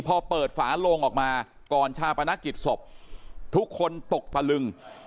พอเปิดฝาโลงออกมาก่อนชาปนกิจศพทุกคนตกตะลึง